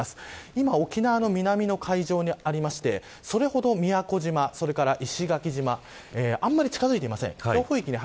今、沖縄の南の海上にありましてそれほど宮古島、石垣島あまり近づいていません。